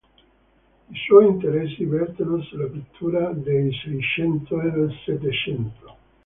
I suoi interessi vertono sulla pittura del Seicento e del Settecento.